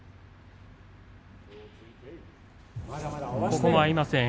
ここも合いません。